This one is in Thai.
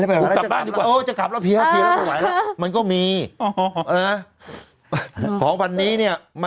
เสร็จครั้งหนึ่งก็ไม่ไหว